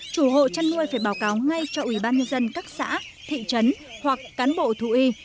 chủ hộ chăn nuôi phải báo cáo ngay cho ủy ban nhân dân các xã thị trấn hoặc cán bộ thú y